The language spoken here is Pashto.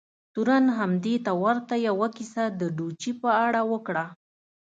تورن هم دې ته ورته یوه کیسه د ډوچي په اړه وکړه.